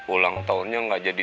ulang tahunnya gak jadi